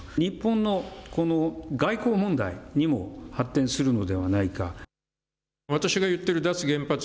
日本のこの外交問題にも発展するのではないか。